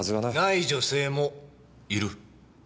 ない女性もいる。